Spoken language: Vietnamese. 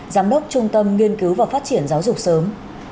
giám đốc trung tâm nghiên cứu và phát triển giáo dục sớm